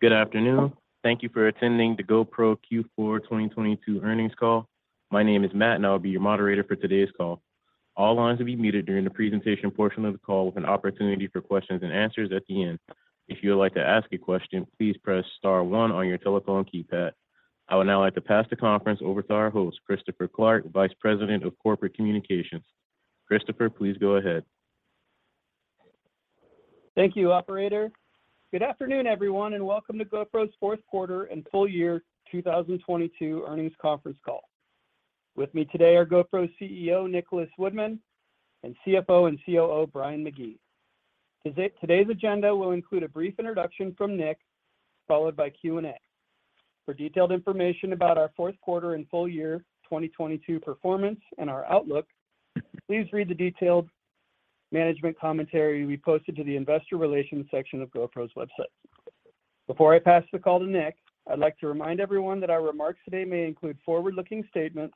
Good afternoon. Thank you for attending the GoPro Q4 2022 earnings call. My name is Matt, and I'll be your moderator for today's call. All lines will be muted during the presentation portion of the call with an opportunity for questions and answers at the end. If you would like to ask a question, please press star one on your telephone keypad. I would now like to pass the conference over to our host, Christopher Clark, Vice President of Corporate Communications. Christopher, please go ahead. Thank you, operator. Good afternoon, everyone, and welcome to GoPro's Q4 and full year 2022 earnings conference call. With me today are GoPro's CEO, Nicholas Woodman, and CFO and COO, Brian McGee. Today's agenda will include a brief introduction from Nicholas, followed by Q&A. For detailed information about our fourth quarter and full year 2022 performance and our outlook, please read the detailed management commentary we posted to the investor relations section of GoPro's website. Before I pass the call to Nicholas, I'd like to remind everyone that our remarks today may include forward-looking statements.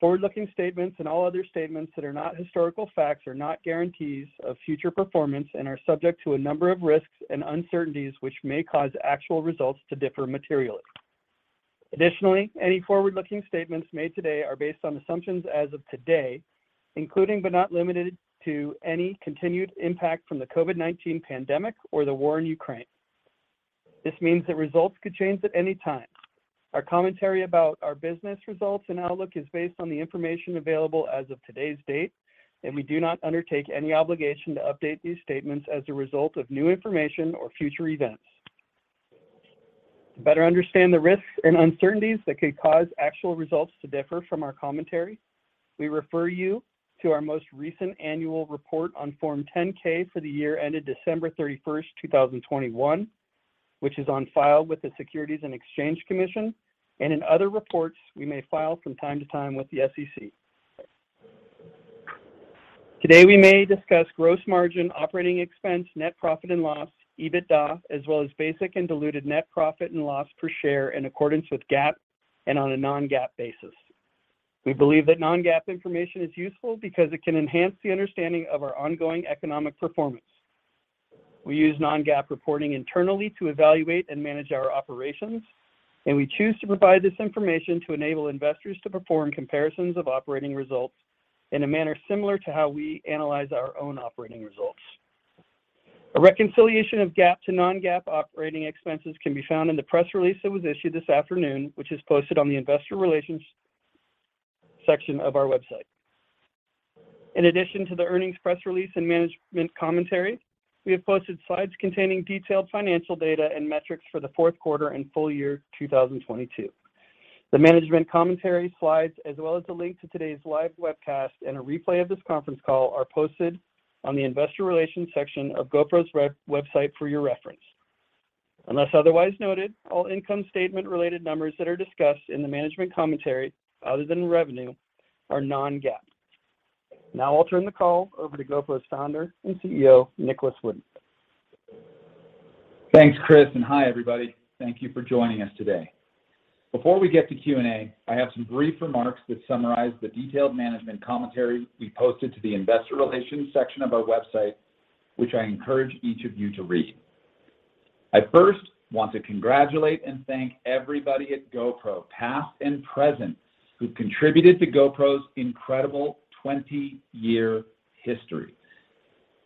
Forward-looking statements and all other statements that are not historical facts are not guarantees of future performance and are subject to a number of risks and uncertainties, which may cause actual results to differ materially. Additionally, any forward-looking statements made today are based on assumptions as of today, including but not limited to any continued impact from the COVID-19 pandemic or the war in Ukraine. This means that results could change at any time. Our commentary about our business results and outlook is based on the information available as of today's date, and we do not undertake any obligation to update these statements as a result of new information or future events. To better understand the risks and uncertainties that could cause actual results to differ from our commentary, we refer you to our most recent annual report on Form 10-K for the year ended December 31st, 2021, which is on file with the Securities and Exchange Commission and in other reports we may file from time to time with the SEC. Today, we may discuss gross margin, operating expense, net profit and loss, EBITDA, as well as basic and diluted net profit and loss per share in accordance with GAAP and on a non-GAAP basis. We believe that non-GAAP information is useful because it can enhance the understanding of our ongoing economic performance. We use non-GAAP reporting internally to evaluate and manage our operations, and we choose to provide this information to enable investors to perform comparisons of operating results in a manner similar to how we analyze our own operating results. A reconciliation of GAAP to non-GAAP operating expenses can be found in the press release that was issued this afternoon, which is posted on the investor relations section of our website. In addition to the earnings press release and management commentary, we have posted slides containing detailed financial data and metrics for the fourth quarter and full year 2022. The management commentary slides, as well as a link to today's live webcast and a replay of this conference call are posted on the investor relations section of GoPro's website for your reference. Unless otherwise noted, all income statement related numbers that are discussed in the management commentary, other than revenue, are non-GAAP. I'll turn the call over to GoPro's founder and CEO, Nicholas Woodman. Thanks, Chris. Hi, everybody. Thank you for joining us today. Before we get to Q&A, I have some brief remarks that summarize the detailed management commentary we posted to the investor relations section of our website, which I encourage each of you to read. I first want to congratulate and thank everybody at GoPro, past and present, who contributed to GoPro's incredible 20-year history.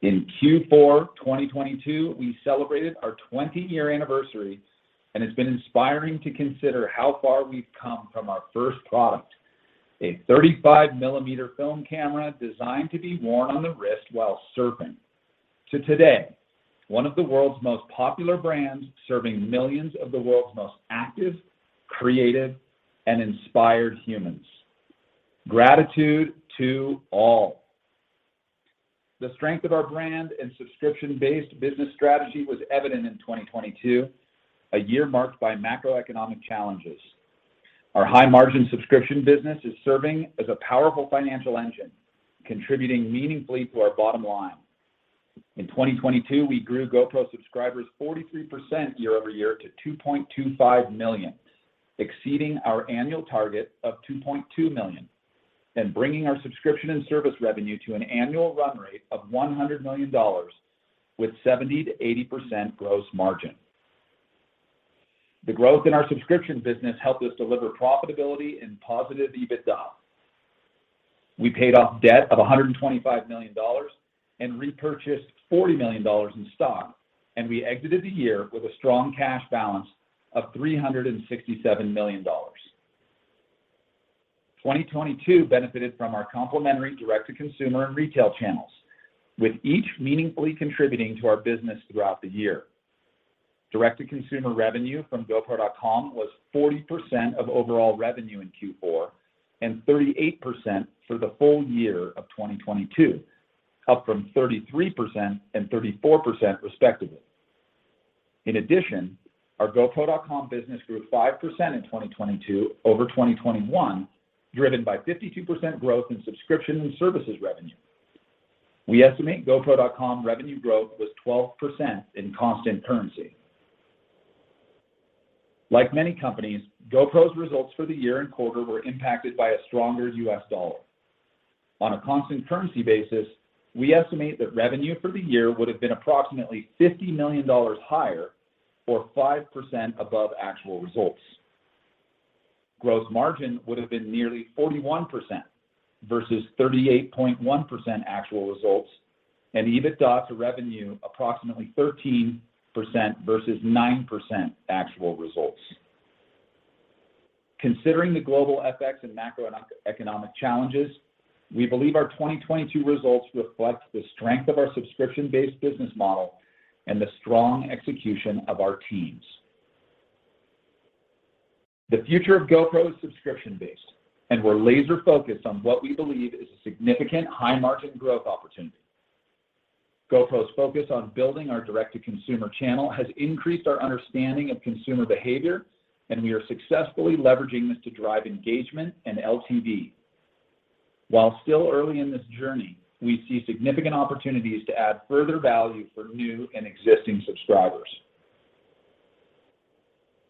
In Q4 2022, we celebrated our 20-year anniversary, and it's been inspiring to consider how far we've come from our first product, a 35 millimeter film camera designed to be worn on the wrist while surfing, to today, one of the world's most popular brands serving millions of the world's most active, creative, and inspired humans. Gratitude to all. The strength of our brand and subscription-based business strategy was evident in 2022, a year marked by macroeconomic challenges. Our high-margin subscription business is serving as a powerful financial engine, contributing meaningfully to our bottom line. In 2022, we grew GoPro subscribers 43% year-over-year to 2.25 million, exceeding our annual target of 2.2 million and bringing our subscription and service revenue to an annual run rate of $100 million with 70%-80% gross margin. The growth in our subscription business helped us deliver profitability and positive EBITDA. We paid off debt of $125 million and repurchased $40 million in stock. We exited the year with a strong cash balance of $367 million. 2022 benefited from our complementary direct-to-consumer and retail channels, with each meaningfully contributing to our business throughout the year. Direct-to-consumer revenue from GoPro.com was 40% of overall revenue in Q4 and 38% for the full year of 2022, up from 33% and 34% respectively. In addition, our GoPro.com business grew 5% in 2022 over 2021, driven by 52% growth in subscription and services revenue. We estimate GoPro.com revenue growth was 12% in constant currency. Like many companies, GoPro's results for the year and quarter were impacted by a stronger US dollar. On a constant currency basis, we estimate that revenue for the year would have been approximately $50 million higher, or 5% above actual results. Gross margin would have been nearly 41% versus 38.1% actual results, and EBITDA to revenue approximately 13% versus 9% actual results. Considering the global FX and macroeconomic challenges, we believe our 2022 results reflect the strength of our subscription-based business model and the strong execution of our teams. The future of GoPro is subscription-based, and we're laser-focused on what we believe is a significant high-margin growth opportunity. GoPro's focus on building our direct-to-consumer channel has increased our understanding of consumer behavior, and we are successfully leveraging this to drive engagement and LTV. While still early in this journey, we see significant opportunities to add further value for new and existing subscribers.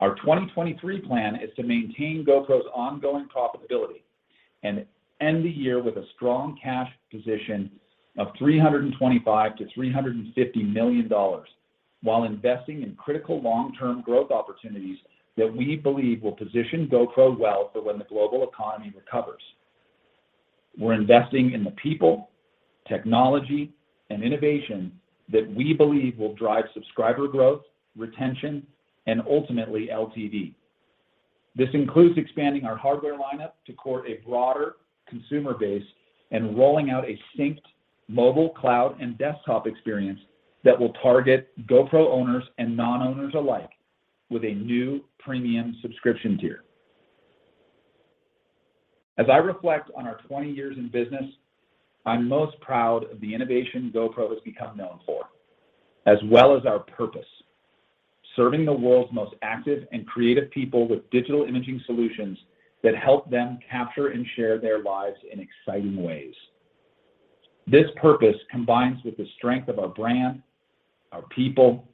Our 2023 plan is to maintain GoPro's ongoing profitability and end the year with a strong cash position of $325 million-$350 million while investing in critical long-term growth opportunities that we believe will position GoPro well for when the global economy recovers. We're investing in the people, technology, and innovation that we believe will drive subscriber growth, retention, and ultimately LTV. This includes expanding our hardware lineup to court a broader consumer base and rolling out a synced mobile, cloud, and desktop experience that will target GoPro owners and non-owners alike with a new premium subscription tier. As I reflect on our 20 years in business, I'm most proud of the innovation GoPro has become known for, as well as our purpose: serving the world's most active and creative people with digital imaging solutions that help them capture and share their lives in exciting ways. This purpose combines with the strength of our brand, our people,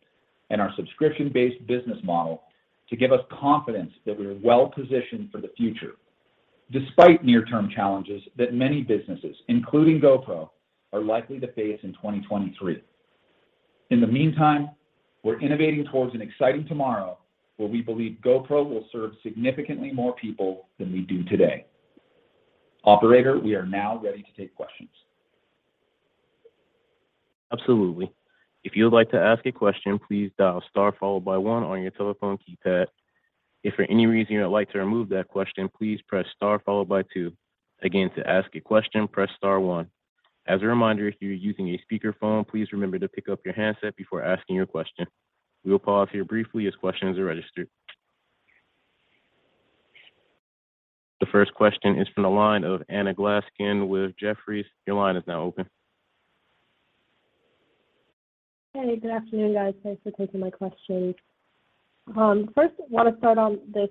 and our subscription-based business model to give us confidence that we are well-positioned for the future, despite near-term challenges that many businesses, including GoPro, are likely to face in 2023. In the meantime, we're innovating towards an exciting tomorrow where we believe GoPro will serve significantly more people than we do today. Operator, we are now ready to take questions. Absolutely. If you would like to ask a question, please dial star followed by one on your telephone keypad. If for any reason you would like to remove that question, please press star followed by two. Again, to ask a question, press star one. As a reminder, if you're using a speakerphone, please remember to pick up your handset before asking your question. We will pause here briefly as questions are registered. The first question is from the line of Anna Gaskar with Jefferies. Your line is now open. Hey, good afternoon, guys. Thanks for taking my questions. First want to start on this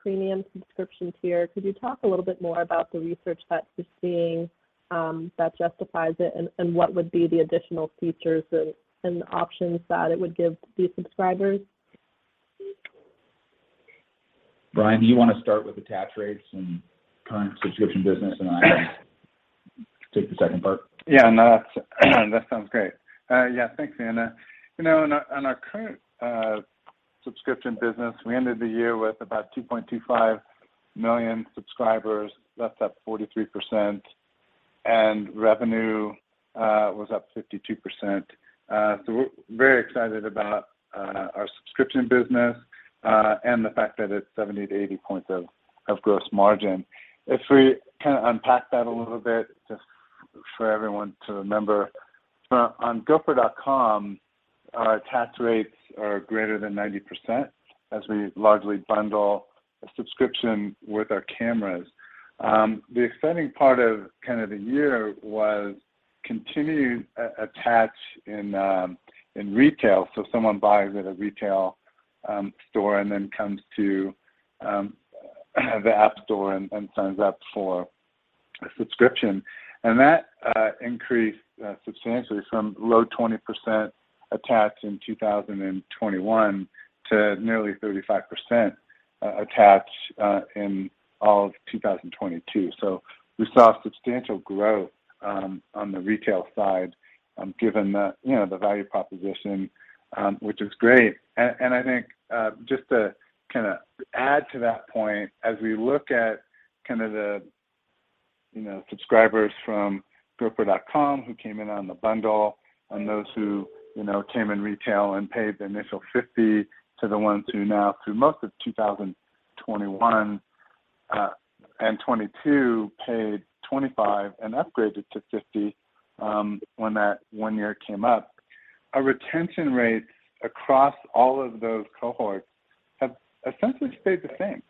premium subscription tier. Could you talk a little bit more about the research that you're seeing that justifies it, and what would be the additional features and options that it would give these subscribers? Brian, do you wanna start with attach rates and current subscription business, and I can take the second part. Yeah, no, that's, that sounds great. Yeah, thanks, Anna. You know, on our, on our current subscription business, we ended the year with about $2.25 million subscribers. That's up 43%. Revenue was up 52%. We're very excited about our subscription business and the fact that it's 70 to 80 points of gross margin. If we kinda unpack that a little bit, just for everyone to remember, on GoPro.com, our attach rates are greater than 90%, as we largely bundle a subscription with our cameras. The exciting part of kind of the year was continued attach in retail. Someone buys at a retail store and then comes to the app store and signs up for a subscription. That increased substantially from low 20% attach in 2021 to nearly 35% attach in all of 2022. We saw substantial growth on the retail side, given the, you know, the value proposition, which is great. I think, just to kinda add to that point, as we look at kind of the, you know, subscribers from GoPro.com who came in on the bundle and those who, you know, came in retail and paid the initial $50 to the ones who now, through most of 2021 and 2022, paid $25 and upgraded to $50, when that one year came up, our retention rates across all of those cohorts have essentially stayed the same.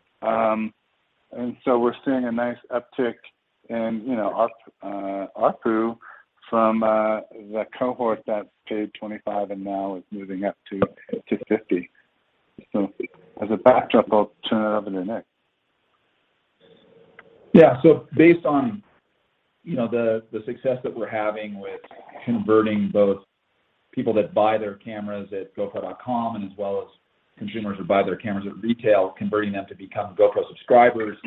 We're seeing a nice uptick in, you know, our ARPU from the cohort that paid $25 and now is moving up to $50. As a backdrop, I'll turn it over to Nicholas. Yeah. Based on, you know, the success that we're having with converting both people that buy their cameras at GoPro.com and as well as consumers who buy their cameras at retail, converting them to become GoPro subscribers,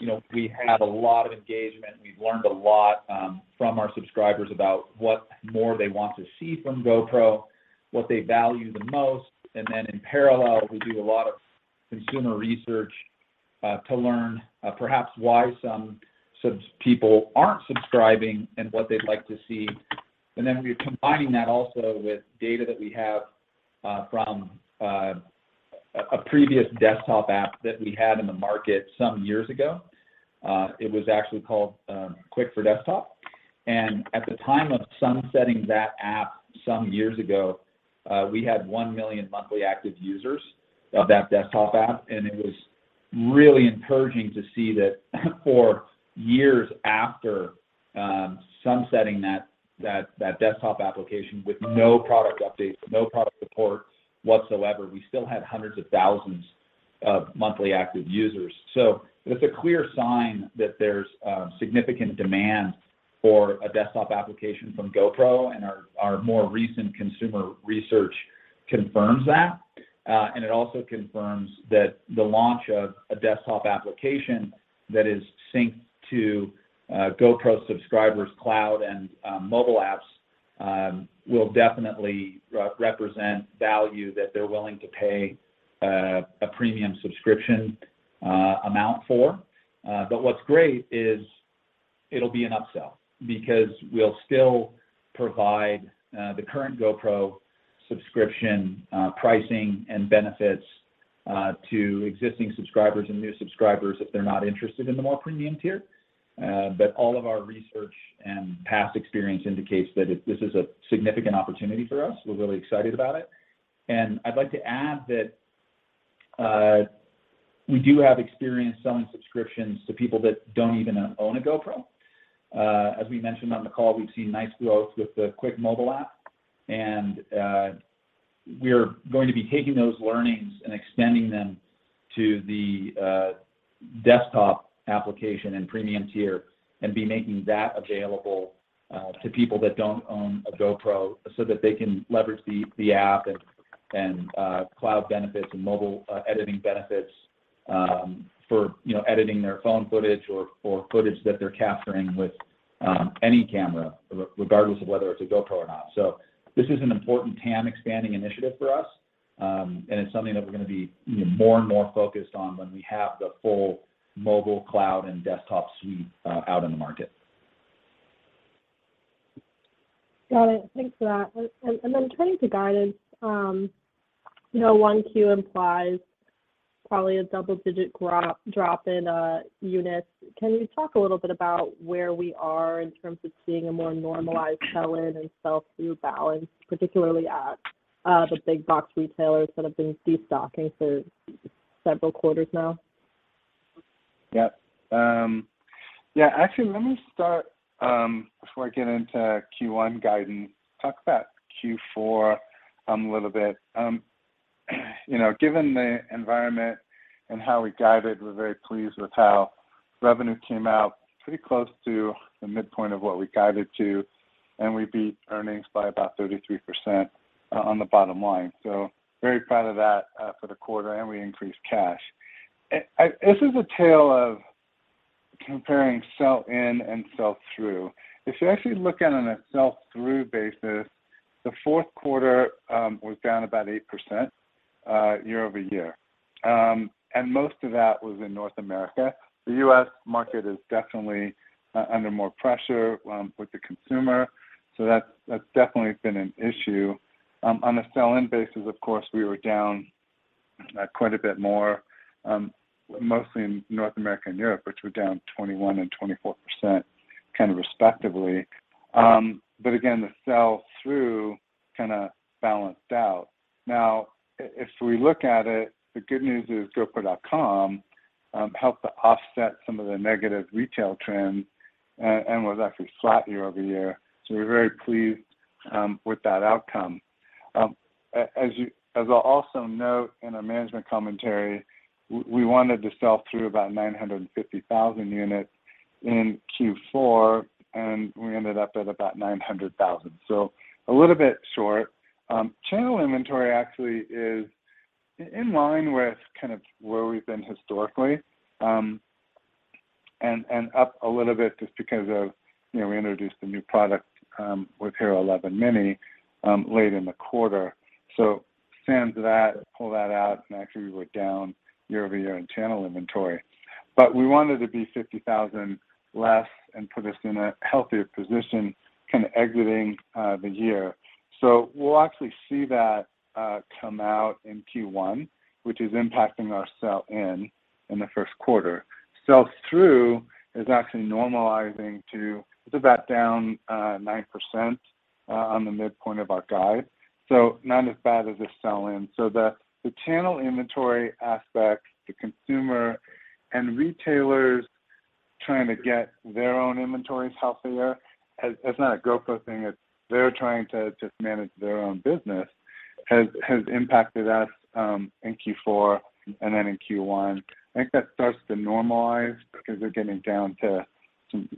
you know, we had a lot of engagement. We've learned a lot from our subscribers about what more they want to see from GoPro, what they value the most. In parallel, we do a lot of consumer research to learn perhaps why some people aren't subscribing and what they'd like to see. We're combining that also with data that we have from a previous desktop app that we had in the market some years ago. It was actually called Quik for Desktop. At the time of sunsetting that app some years ago, we had 1 million monthly active users of that desktop app, and it was really encouraging to see that for years after sunsetting that desktop application with no product updates, no product support whatsoever, we still had hundreds of thousands of monthly active users. It's a clear sign that there's significant demand for a desktop application from GoPro and our more recent consumer research confirms that. It also confirms that the launch of a desktop application that is synced to GoPro subscribers cloud and mobile apps will definitely re-represent value that they're willing to pay a premium subscription amount for. What's great is it'll be an upsell because we'll still provide the current GoPro subscription pricing and benefits to existing subscribers and new subscribers if they're not interested in the more premium tier. All of our research and past experience indicates that this is a significant opportunity for us. We're really excited about it. I'd like to add that we do have experience selling subscriptions to people that don't even own a GoPro. As we mentioned on the call, we've seen nice growth with the Quik mobile app, we're going to be taking those learnings and extending them to the desktop application and premium tier and be making that available to people that don't own a GoPro so that they can leverage the app and cloud benefits and mobile editing benefits for, you know, editing their phone footage or footage that they're capturing with any camera regardless of whether it's a GoPro or not. This is an important TAM expanding initiative for us, and it's something that we're gonna be more and more focused on when we have the full mobile cloud and desktop suite out in the market. Got it. Thanks for that. Then turning to guidance, you know, 1Q implies probably a double-digit drop in units. Can you talk a little bit about where we are in terms of seeing a more normalized sell-in and sell-through balance, particularly at the big box retailers that have been destocking for several quarters now? Yep. Yeah, actually, let me start, before I get into Q1 guidance, talk about Q4 a little bit. You know, given the environment and how we guided, we're very pleased with how revenue came out pretty close to the midpoint of what we guided to, and we beat earnings by about 33% on the bottom line. Very proud of that for the quarter, and we increased cash. This is a tale of comparing sell-in and sell-through. If you actually look at it on a sell-through basis, the fourth quarter was down about 8% year-over-year. Most of that was in North America. The U.S. market is definitely under more pressure with the consumer. That's definitely been an issue. On a sell-in basis, of course, we were down quite a bit more, mostly in North America and Europe, which were down 21% and 24% kind of respectively. Again, the sell-through kinda balanced out. If we look at it, the good news is GoPro.com helped to offset some of the negative retail trends and was actually flat year-over-year. We're very pleased with that outcome. As I also note in our management commentary, we wanted to sell through about 950,000 units in Q4, and we ended up at about 900,000. A little bit short. channel inventory actually is in line with kind of where we've been historically, and up a little bit just because of, you know, we introduced a new product with HERO11 Mini late in the quarter. Sans that, pull that out, and actually we're down year over year in channel inventory. We wanted to be 50,000 less and put us in a healthier position kind of exiting the year. We'll actually see that come out in Q1, which is impacting our sell-in in the first quarter. Sell-through is actually normalizing to about down 9% on the midpoint of our guide, so not as bad as the sell-in. The channel inventory aspect, the consumer and retailers trying to get their own inventories healthier, that's not a GoPro thing. It's they're trying to just manage their own business. Has impacted us in Q4 and then in Q1. I think that starts to normalize because we're getting down to some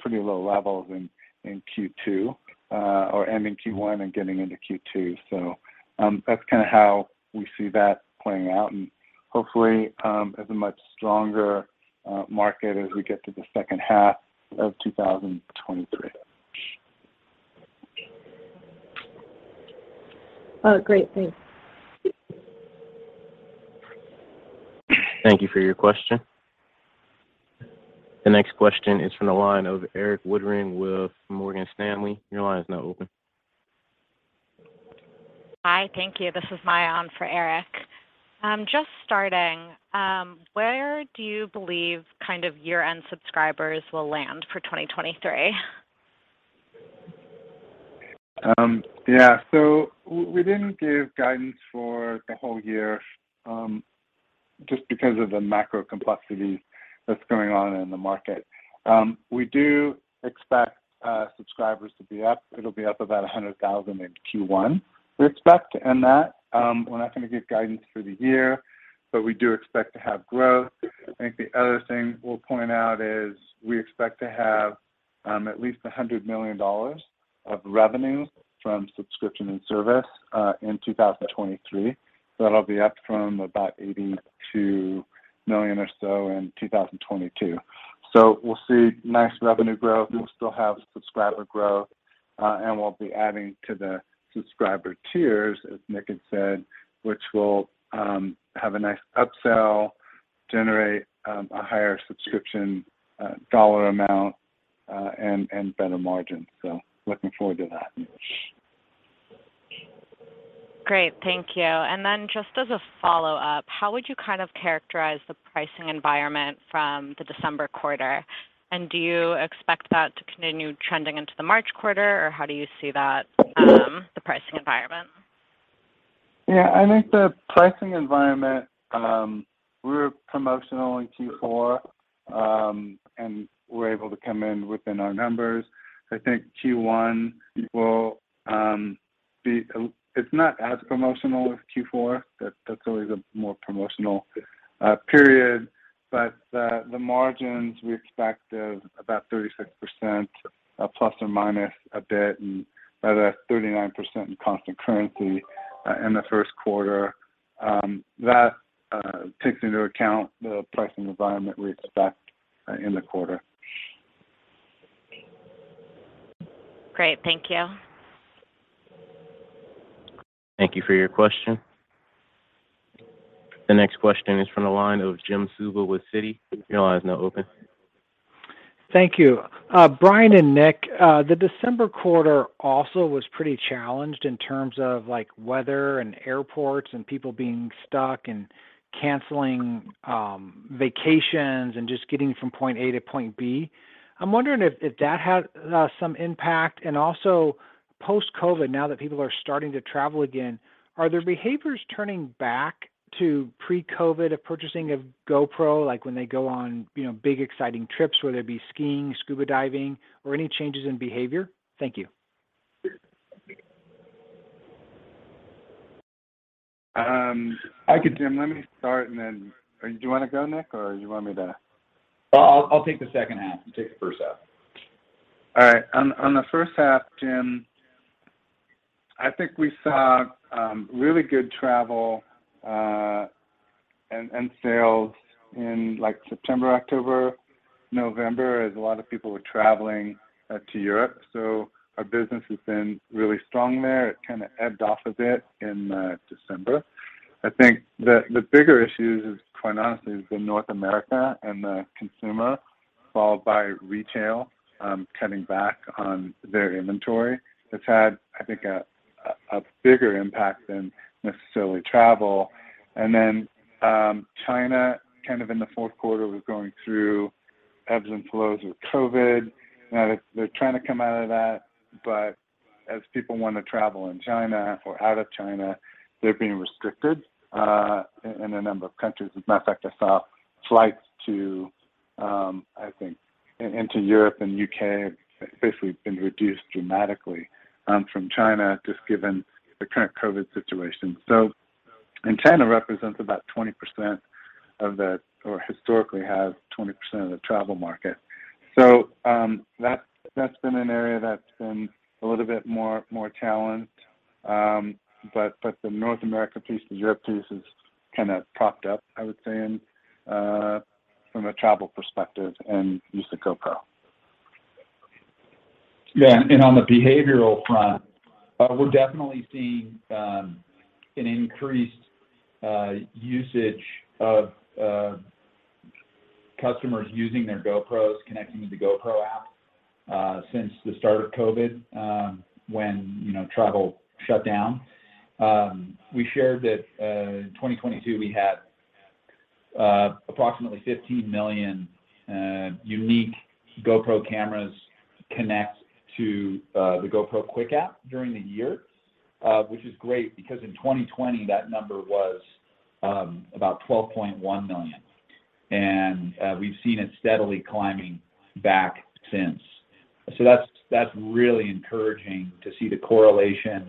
pretty low levels in Q2, or ending Q1 and getting into Q2. That's kinda how we see that playing out, and hopefully, as a much stronger market as we get to the second half of 2023. Oh, great. Thanks. Thank you for your question. The next question is from the line of Erik Woodring with Morgan Stanley. Your line is now open. Hi. Thank you. This is Mayon for Eric. Just starting, where do you believe kind of year-end subscribers will land for 2023? Yeah. We didn't give guidance for the whole year, just because of the macro complexities that's going on in the market. We do expect subscribers to be up. It'll be up about 100,000 in Q1, we expect, and that, we're not gonna give guidance for the year, but we do expect to have growth. I think the other thing we'll point out is we expect to have at least $100 million of revenue from subscription and service in 2023. That'll be up from about $82 million or so in 2022. We'll see nice revenue growth. We'll still have subscriber growth, and we'll be adding to the subscriber tiers, as Nicholas had said, which will have a nice upsell, generate a higher subscription dollar amount, and better margins. Looking forward to that. Great. Thank you. Then just as a follow-up, how would you kind of characterize the pricing environment from the December quarter? Do you expect that to continue trending into the March quarter, or how do you see that, the pricing environment? Yeah. I think the pricing environment, we were promotional in Q4, and we're able to come in within our numbers. I think Q1 will be it's not as promotional as Q4. That's always a more promotional period. The margins we expect of about 36% plus or minus a bit, and that's 39% in constant currency in the first quarter, that takes into account the pricing environment we expect in the quarter. Great. Thank you. Thank you for your question. The next question is from the line of Jim Suva with Citi. Your line is now open. Thank you. Brian and Nicholas, the December quarter also was pretty challenged in terms of, like, weather and airports and people being stuck and canceling vacations and just getting from point A to point B. I'm wondering if that had some impact. Also post-COVID, now that people are starting to travel again, are their behaviors turning back to pre-COVID of purchasing a GoPro, like when they go on big, exciting trips, whether it be skiing, scuba diving, or any changes in behavior? Thank you. I could, Jim, let me start and then. Do you wanna go, Nicholas, or you want me to? I'll take the second half. You take the first half. All right. On the first half, Jim, I think we saw really good travel and sales in like September, October, November, as a lot of people were traveling to Europe. Our business has been really strong there. It kinda ebbed off a bit in December. I think the bigger issue is, quite honestly, is the North America and the consumer, followed by retail, cutting back on their inventory. That's had, I think, a bigger impact than necessarily travel. China kind of in the fourth quarter was going through ebbs and flows with COVID. Now they're trying to come out of that, as people wanna travel in China or out of China, they're being restricted in a number of countries. As a matter of fact, I saw flights to, I think into Europe and UK have basically been reduced dramatically from China, just given the current COVID situation. China represents about 20% of the or historically has 20% of the travel market. That's been an area that's been a little bit more, more challenged. But the North America piece, the Europe piece is kinda propped up, I would say, from a travel perspective and use of GoPro. Yeah. On the behavioral front, we're definitely seeing an increased usage of customers using their GoPros, connecting with the GoPro app, since the start of COVID, when, you know, travel shut down. We shared that in 2022 we had approximately 15 million unique GoPro cameras connect to the GoPro Quik app during the year, which is great because in 2020 that number was about 12.1 million. We've seen it steadily climbing back since. So that's really encouraging to see the correlation,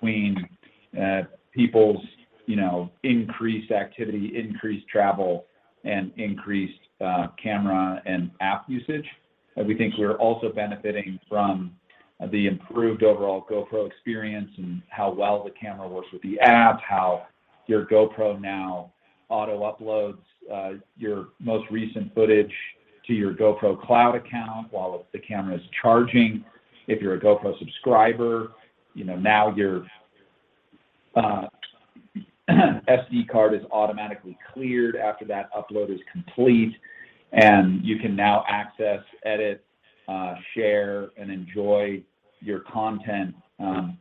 between people's, you know, increased activity, increased travel, and increased camera and app usage. We think we're also benefiting from the improved overall GoPro experience and how well the camera works with the app, how your GoPro now auto-uploads your most recent footage to your GoPro cloud account while the camera is charging. If you're a GoPro subscriber, you know, now your SD card is automatically cleared after that upload is complete, and you can now access, edit, share, and enjoy your content,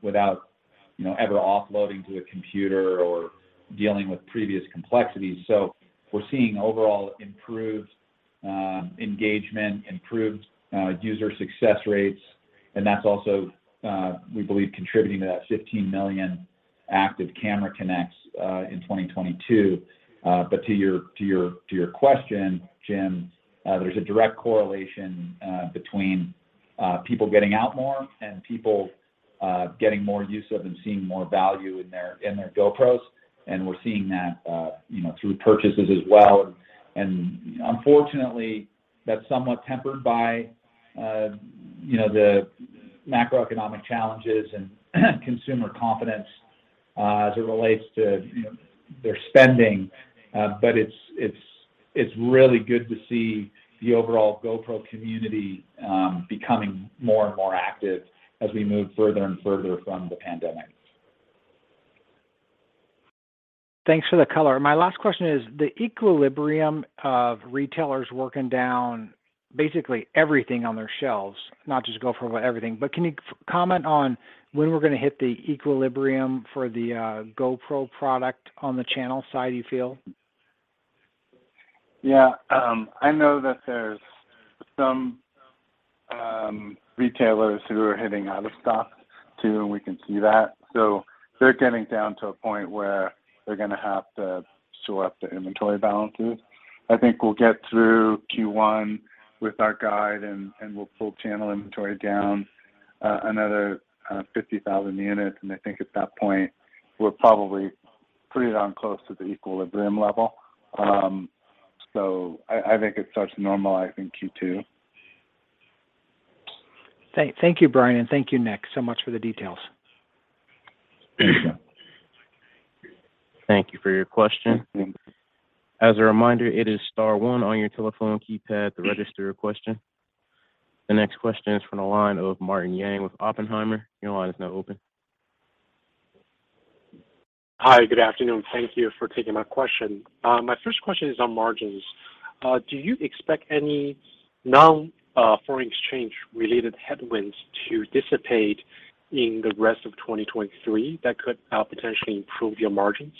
without, you know, ever offloading to a computer or dealing with previous complexities. We're seeing overall improved engagement, improved user success rates, and that's also we believe contributing to that 15 million active camera connects in 2022. To your question, Jim, there's a direct correlation between people getting out more and people getting more use of and seeing more value in their GoPros, and we're seeing that, you know, through purchases as well. Unfortunately, that's somewhat tempered by, you know, the macroeconomic challenges and consumer confidence, as it relates to, you know, their spending. It's really good to see the overall GoPro community becoming more and more active as we move further and further from the pandemic. Thanks for the color. My last question is the equilibrium of retailers working down basically everything on their shelves, not just GoPro, but everything, but can you comment on when we're gonna hit the equilibrium for the GoPro product on the channel side, you feel? Yeah. I know that there's some retailers who are hitting out of stock too, and we can see that. They're getting down to a point where they're gonna have to shore up the inventory balances. I think we'll get through Q1 with our guide, and we'll pull channel inventory down another 50,000 units. I think at that point, we're probably pretty darn close to the equilibrium level. I think it starts to normalize in Q2. Thank you, Brian, and thank you, Nicholas, so much for the details. Thank you. Thank you for your question. As a reminder, it is star one on your telephone keypad to register your question. The next question is from the line of Martin Yang with Oppenheimer. Your line is now open. Hi, good afternoon. Thank you for taking my question. My first question is on margins. Do you expect any non-foreign exchange-related headwinds to dissipate in the rest of 2023 that could potentially improve your margins?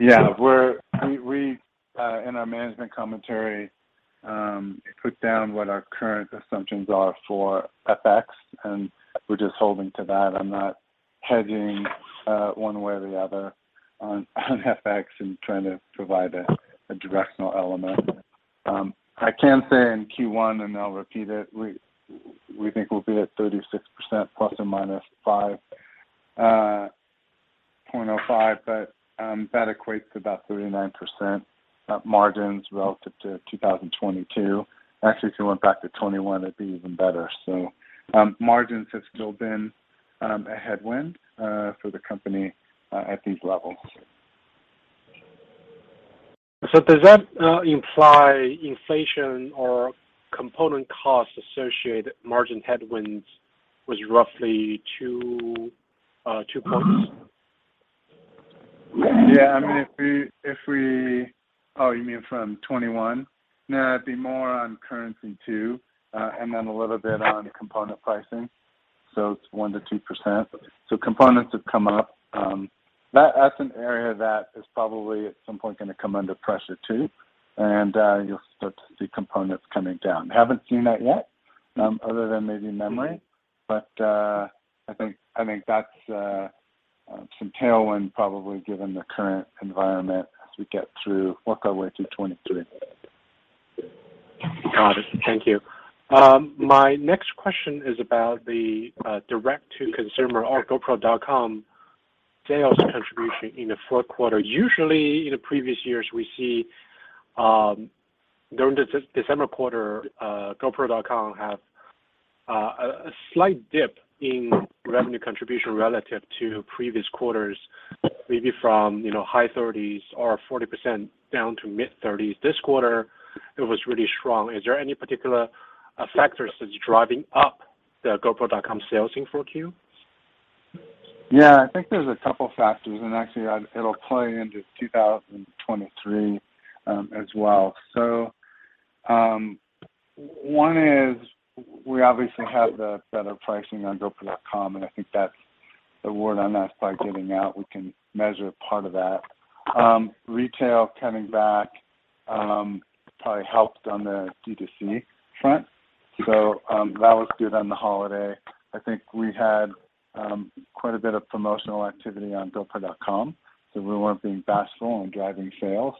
Yeah. We, we, in our management commentary, put down what our current assumptions are for FX, and we're just holding to that. I'm not hedging one way or the other on FX and trying to provide a directional element. I can say in Q1, and I'll repeat it, we think we'll be at 36% ±5.05. That equates to about 39% margins relative to 2022. Actually, if you went back to 2021, it'd be even better. Margins have still been a headwind for the company at these levels. Does that imply inflation or component costs associated margin headwinds was roughly two points? Yeah. I mean, if we... Oh, you mean from 2021? No, it'd be more on currency too, and then a little bit on component pricing, so it's 1%-2%. Components have come up. That's an area that is probably at some point gonna come under pressure too. You'll start to see components coming down. Haven't seen that yet, other than maybe memory, but I think, I think that's some tailwind probably given the current environment as we work our way through 2023. Got it. Thank you. My next question is about the direct to consumer or GoPro.com sales contribution in the fourth quarter. Usually in the previous years, we see, during the December quarter, GoPro.com have a slight dip in revenue contribution relative to previous quarters, maybe from, you know, high 30s or 40% down to mid-30s. This quarter, it was really strong. Is there any particular factors that's driving up the GoPro.com sales in 4Q? Yeah. I think there's a couple factors, actually it'll play into 2023 as well. One is we obviously have the better pricing on GoPro.com, and I think that's the word on that slide getting out. We can measure part of that. Retail coming back, probably helped on the D2C front. That was good on the holiday. I think we had quite a bit of promotional activity on GoPro.com, so we weren't being bashful on driving sales,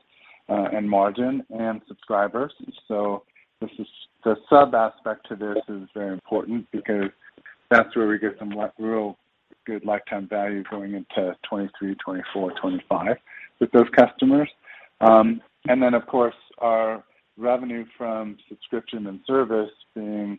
and margin and subscribers. This is... the sub aspect to this is very important because that's where we get some real good lifetime value going into 2023, 2024, 2025 with those customers. Of course, our revenue from subscription and service being,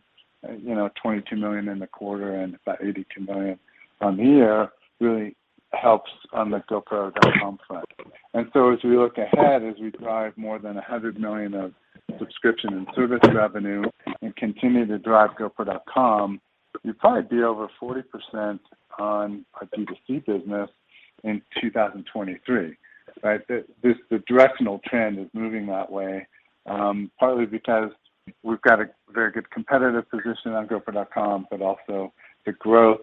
you know, $22 million in the quarter and about $82 million on the year really helps on the GoPro.com front. As we look ahead, as we drive more than $100 million of subscription and service revenue and continue to drive GoPro.com, you'd probably be over 40% on our D2C business in 2023, right? The directional trend is moving that way, partly because we've got a very good competitive position on GoPro.com, but also the growth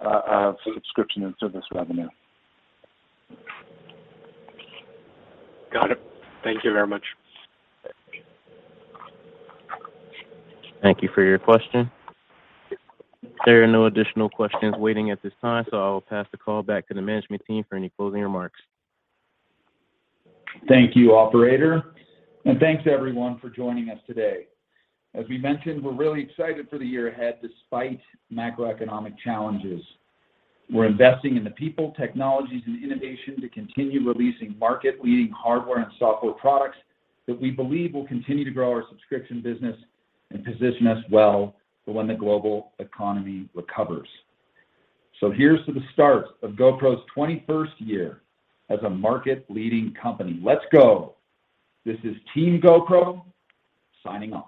of subscription and service revenue. Got it. Thank you very much. Thank you for your question. There are no additional questions waiting at this time, I'll pass the call back to the management team for any closing remarks. Thank you, operator, and thanks everyone for joining us today. As we mentioned, we're really excited for the year ahead, despite macroeconomic challenges. We're investing in the people, technologies, and innovation to continue releasing market-leading hardware and software products that we believe will continue to grow our subscription business and position us well for when the global economy recovers. Here's to the start of GoPro's 21st year as a market-leading company. Let's go. This is Team GoPro signing off.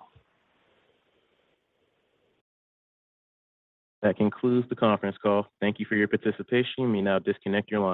That concludes the conference call. Thank you for your participation. You may now disconnect your line.